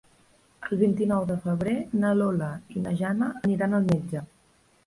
El vint-i-nou de febrer na Lola i na Jana aniran al metge.